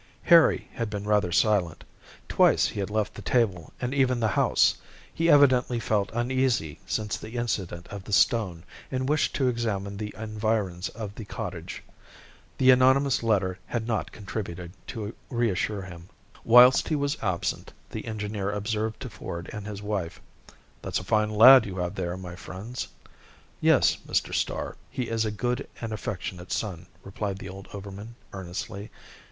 Harry had been rather silent. Twice he had left the table, and even the house. He evidently felt uneasy since the incident of the stone, and wished to examine the environs of the cottage. The anonymous letter had not contributed to reassure him. Whilst he was absent, the engineer observed to Ford and his wife, "That's a fine lad you have there, my friends." "Yes, Mr. Starr, he is a good and affectionate son," replied the old overman earnestly.